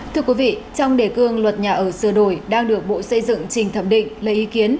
thưa quý vị trong đề cương luật nhà ở sửa đổi đang được bộ xây dựng trình thẩm định lấy ý kiến